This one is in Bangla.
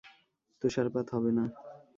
তুষারপাত হবে না।